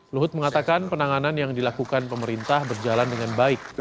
luhut mengatakan penanganan yang dilakukan pemerintah berjalan dengan baik